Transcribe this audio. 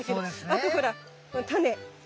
あとほら！